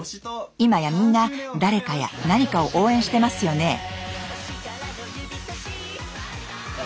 今やみんな誰かや何かを応援してますよね。